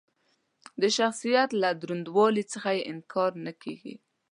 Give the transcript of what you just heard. د شخصیت له دروندوالي څخه یې انکار نه کېږي.